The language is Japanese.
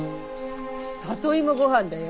里芋ごはんだよ。